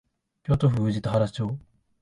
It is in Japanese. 京都府宇治田原町